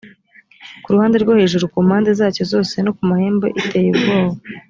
ku ruhande rwo hejuru ku mpande zacyo zose no ku mahembe iteye ubwoba